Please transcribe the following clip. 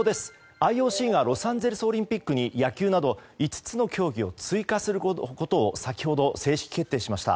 ＩＯＣがロサンゼルスオリンピックに野球など５つの競技を追加することを先ほど正式決定しました。